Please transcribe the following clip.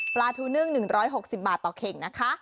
ปลาทูนึ่ง๑๖๐บาทต่อกิโลกรัมนะคะ